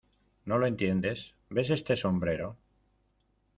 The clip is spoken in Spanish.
¿ No lo entiendes? ¿ ves este sombrero ?